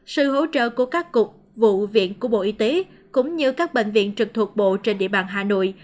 sự hỗ trợ của các cục vụ viện của bộ y tế cũng như các bệnh viện trực thuộc bộ trên địa bàn hà nội